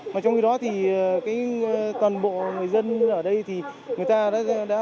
mà trong khi đó thì toàn bộ người dân ở đây thì người ta đã